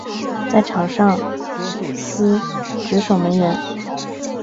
在场上司职守门员。